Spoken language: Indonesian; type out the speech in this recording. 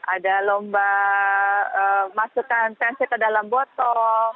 ada lomba masukkan tensi ke dalam botol